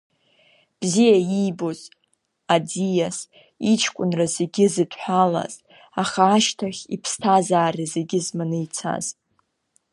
Бзиа иибоз аӡиас, иҷкәынра зегьы зыдҳәалаз, аха ашьҭахь иԥсҭазаара зегьы зманы ицаз.